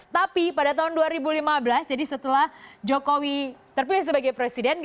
tapi pada tahun dua ribu lima belas jadi setelah jokowi terpilih sebagai presiden